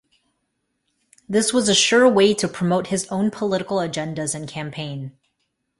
This was a sure way to promote his own political agendas and campaign.